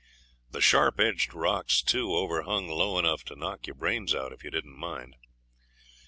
The sharp edged rocks, too, overhung low enough to knock your brains out if you didn't mind.